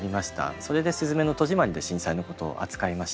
それで「すずめの戸締まり」で震災のことをあつかいました。